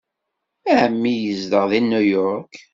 Ɛemmi yezdeɣ deg New York.